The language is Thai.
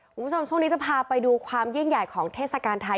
คุณผู้ชมช่วงนี้จะพาไปดูความยิ่งใหญ่ของเทศกาลไทย